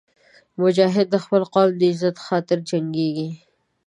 مجاهد د خپل قوم د عزت خاطر جنګېږي.